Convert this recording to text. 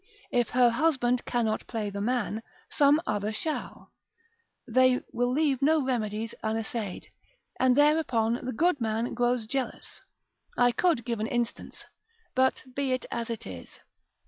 If her husband cannot play the man, some other shall, they will leave no remedies unessayed, and thereupon the good man grows jealous; I could give an instance, but be it as it is.